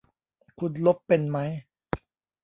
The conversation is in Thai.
คุณลบเป็นมั้ย